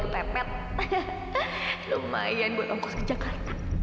teteh nyanas copper